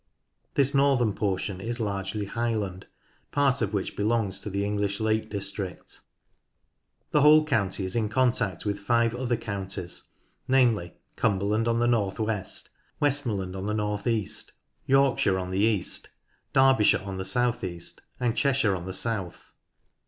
This northern portion is largely highland, part of which belongs to the English Lake District. The whole county is in contact with five other counties, namely Cumberland on the north west, West morland on the north east, Yorkshire on the east, Derby shire on the south east, and Cheshire on the south.